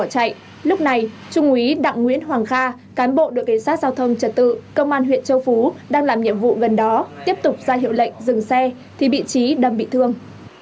lúc này trung úy đặng nguyễn hoàng kha cán bộ đội cảnh sát giao thông trật tự công an huyện châu phú đang làm nhiệm vụ gần đó tiếp tục ra hiệu lệnh dừng xe thì bị trí đâm bị thương